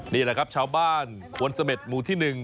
นี่แหละครับชาวบ้านควนเสม็ดหมู่ที่๑